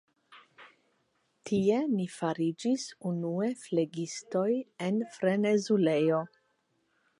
Tie ni fariĝis unue flegistoj en frenezulejo.